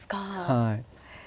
はい。